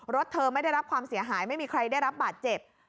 รถเธอไม่ได้รับความเสียหายไม่มีใครได้รับบาดเจ็บ